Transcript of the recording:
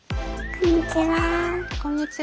こんにちは。